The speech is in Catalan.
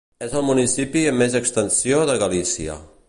És el municipi amb més extensió de Galícia.